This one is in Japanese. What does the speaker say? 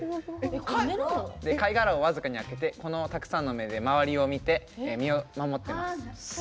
貝殻を僅かに開けてこのたくさんの目で周りを見て、身を守ってます。